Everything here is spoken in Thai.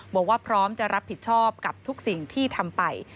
บอกว่าพร้อมจะรับผิดชอบกับทุกสิ่งที่ทำไป